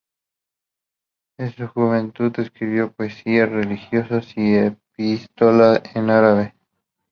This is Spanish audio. En su juventud escribió poesías religiosas y una epístola en árabe.